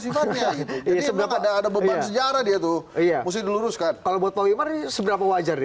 sifatnya itu ada beban sejarah dia tuh iya musuh luruskan kalau buat pemerintah seberapa wajar